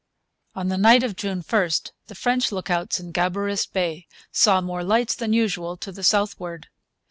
On the night of June 1 the French look outs in Gabarus Bay saw more lights than usual to the southward.